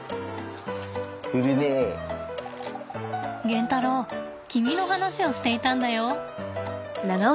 ゲンタロウ君の話をしていたんだよ。